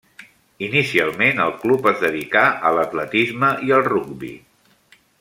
Inicialment el club es dedicà a l'atletisme i al rugbi.